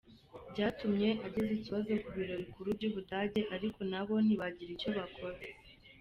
Byatumye ageza ikibazo ku biro bikuru mu Budage ariko na bo ntibagira icyo bakora.